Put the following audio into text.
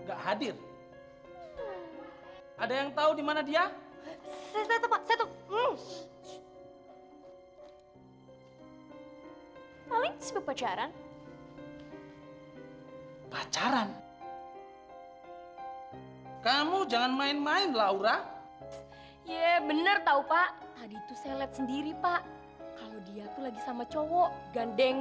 oh ternyata bener kalian berdua disini pacaran